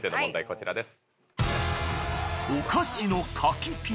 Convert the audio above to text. こちらです。